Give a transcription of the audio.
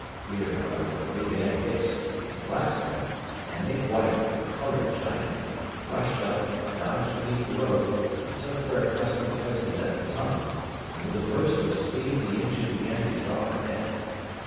Here, however, Big Ed. Hicks, the blacksmith, and Nick White, a colored giant, rushed up, dodged beneath the rope, and took their accustomed places at the tongue, and with a burst of speed the engine began to draw ahead.